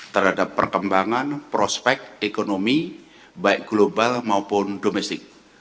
terhadap perkembangan prospek ekonomi baik global maupun domestik